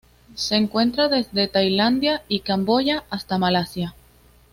Se encuentra desde Tailandia y Camboya hasta Malasia.